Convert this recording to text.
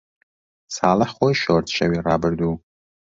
ساڵح خۆی شۆرد، شەوی ڕابردوو.